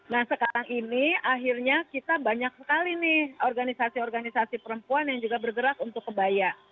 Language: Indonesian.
nah sekarang ini akhirnya kita banyak sekali nih organisasi organisasi perempuan yang juga bergerak untuk kebaya